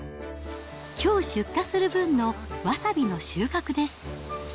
きょう出荷する分のわさびの収穫です。